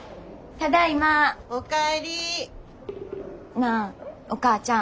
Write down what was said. なあお母ちゃん。